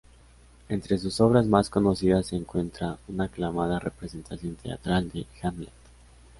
Entre sus obras más conocidas se encuentran una aclamada representación teatral de "Hamlet".